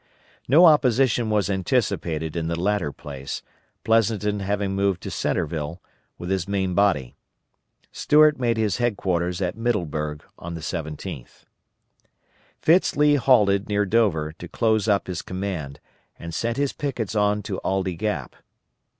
No opposition was anticipated in the latter place, Pleasonton having moved to Centreville, with his main body. Stuart made his headquarters at Middleburg on the 17th. Fitz Lee halted near Dover to close up his command, and sent his pickets on to Aldie Gap.